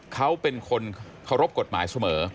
เขาเป็นคนเคารพกฎหมายเสมอ